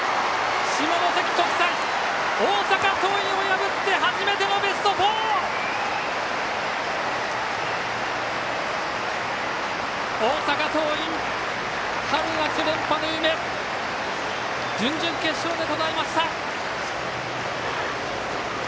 下関国際、大阪桐蔭を破って初めてのベスト４！大阪桐蔭、春、夏連覇の夢準々決勝で途絶えました。